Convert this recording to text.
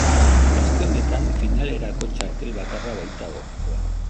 Aste honetan finalerako txartel bakarra baitago jokoan.